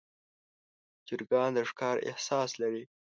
چرګان د ښکار احساس لري.